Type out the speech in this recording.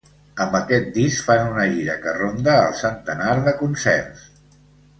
Amb aquest disc fan una gira que ronda el centenar de concerts.